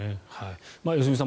良純さん